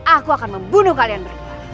aku akan membunuh kalian berdua